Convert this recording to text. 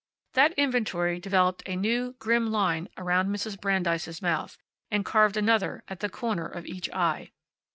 That inventory developed a new, grim line around Mrs. Brandeis' mouth, and carved another at the corner of each eye.